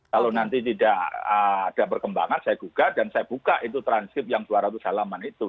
kalau nanti tidak ada perkembangan saya gugat dan saya buka itu transkip yang dua ratus halaman itu